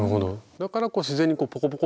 だからこう自然にポコポコ